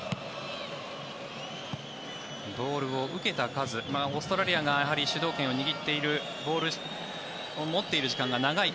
ボールを受けた数オーストラリアが主導権を握っているボールを持っている時間が長い